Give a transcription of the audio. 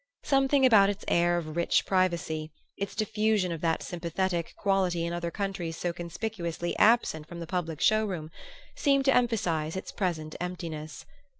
Something about its air of rich privacy, its diffusion of that sympathetic quality in other countries so conspicuously absent from the public show room, seemed to emphasize its present emptiness.